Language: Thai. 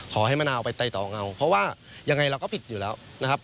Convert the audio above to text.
มะนาวไปไตต่อเงาเพราะว่ายังไงเราก็ผิดอยู่แล้วนะครับ